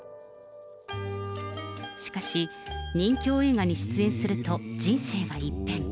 しかし、仁侠映画に出演すると人生が一変。